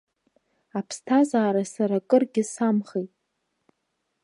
Аԥсҭазаара сара акыргьы самхеит.